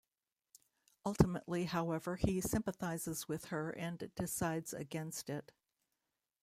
Ultimately, however, he sympathises with her and decides against it.